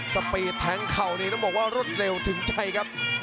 สปีดแทงเข่านี่ต้องบอกว่ารวดเร็วถึงใจครับ